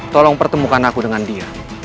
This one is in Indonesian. tolong pertemukan aku dengan dia